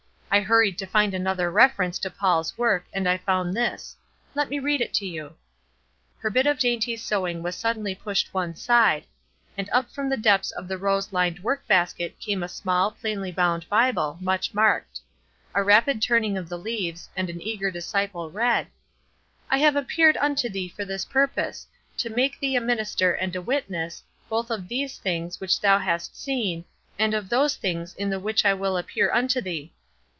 I hurried to find another reference to Paul's work, and I found this; let me read it to you." Her bit of dainty sewing was suddenly pushed one side, and up from the depths of the rose lined work basket came a small, plainly bound Bible, much marked; a rapid turning of the leaves, and the eager disciple read: "I have appeared unto thee for this purpose, to make thee a minister and a witness, both of these things which thou hast seen, and of those things in the which I will appear unto thee.